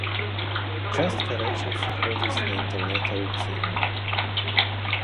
Частка рэчаў сыходзіць на інтэрнэт-аўкцыёны.